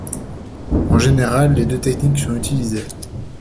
En général les deux techniques sont utilisées.